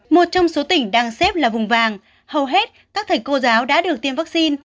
một trong số tỉnh đang xếp là vùng vàng hầu hết các thầy cô giáo đã được tiêm vaccine